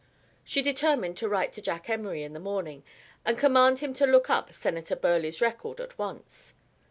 She determined to write to Jack Emory in the morning and command him to look up Senator Burleigh's record at once.